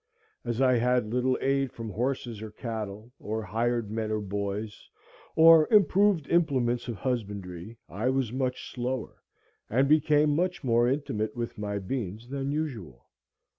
As I had little aid from horses or cattle, or hired men or boys, or improved implements of husbandry, I was much slower, and became much more intimate with my beans than usual.